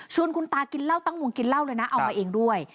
คุณตากินเหล้าตั้งวงกินเหล้าเลยนะเอามาเองด้วย